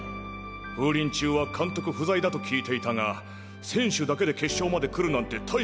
風林中は監督不在だと聞いていたが選手だけで決勝まで来るなんて大したもんだ。